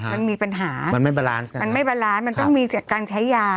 มันมีปัญหามันไม่มันไม่มันต้องมีจากการใช้ยา